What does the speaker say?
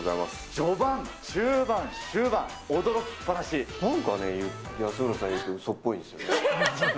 序盤、中盤、終盤、驚きっぱなんかね、安村さんが言うとうそっぽいんですよね。